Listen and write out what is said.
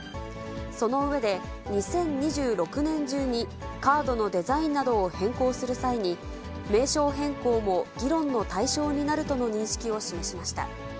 その上で、２０２６年中に、カードのデザインなどを変更する際に、名称変更も議論の対象になるとの認識を示しました。